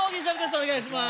お願いします